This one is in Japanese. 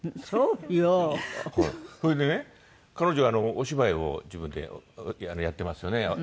それでね彼女はお芝居を自分でやってますよね。